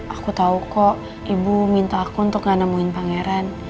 aku tahu kok ibu minta aku untuk gak nemuin pangeran